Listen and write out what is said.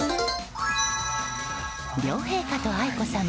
両陛下と愛子さま